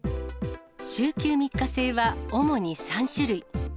週休３日制は主に３種類。